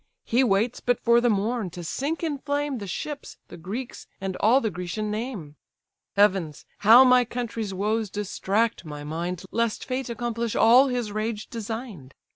He waits but for the morn, to sink in flame The ships, the Greeks, and all the Grecian name. Heavens! how my country's woes distract my mind, Lest Fate accomplish all his rage design'd!